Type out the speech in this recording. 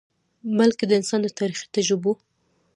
بلکه د انسان د تاریخي تجربو ،